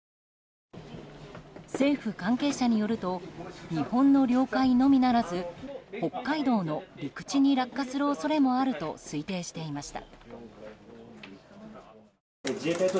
政府関係者によると日本の領海のみならず北海道の陸地に落下する恐れもあると推定していました。